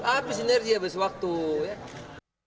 habis sinergi habis waktu ya